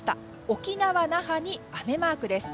沖縄・那覇に雨マークです。